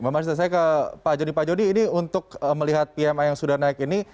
mbak marita saya ke pak jody pak jody ini untuk melihat pmi yang sudah naik ini